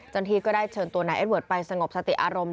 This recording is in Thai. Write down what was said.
ที่ก็ได้เชิญตัวนายเอ็ดเวิร์ดไปสงบสติอารมณ์